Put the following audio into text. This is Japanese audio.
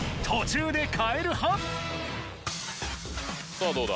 さぁどうだ？